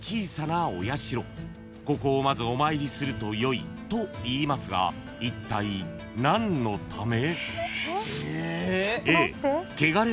［ここをまずお参りするとよいといいますがいったい何のため？］